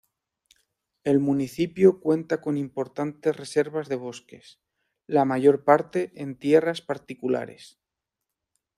El municipio cuenta con importantes reservas de bosques, la mayor parte en tierras particulares.